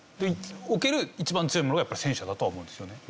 置ける一番強いものがやっぱり戦車だとは思うんですよね。